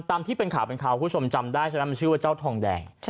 ตามที่เป็นข่าวคุณผู้ชมจำได้ชื่อว่าเจ้าทองแดง